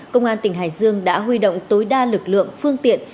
công an tỉnh hải dương đã huy động tối đa lực lượng phương tiện